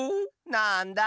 なんだ。